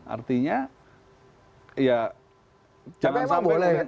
artinya ya jangan sampai